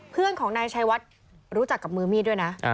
เพื่อนของนายชัยวัดรู้จักกับมือมีดด้วยนะ